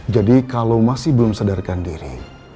jadi kalau masih belum sadarkan diri